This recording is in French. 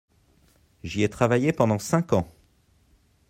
J'y ai travaillé pendant cinq ans.